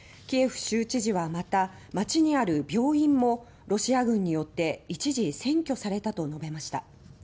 キエフ州知事はまた町にある病院もロシア軍によって一時占拠されたと述べました。